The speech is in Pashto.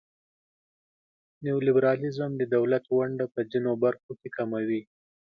نیولیبرالیزم د دولت ونډه په ځینو برخو کې کموي.